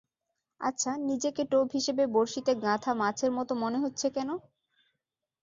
আচ্ছা, নিজেকে টোপ হিসেবে বড়শিতে গাঁথা মাছের মতো মনে হচ্ছে কেন?